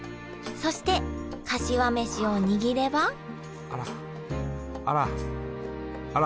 そしてかしわ飯を握ればあらあらあら。